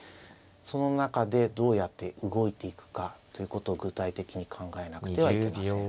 その中でどうやって動いていくかということを具体的に考えなくてはいけません。